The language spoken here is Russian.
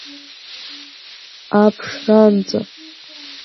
Аҧшранҵа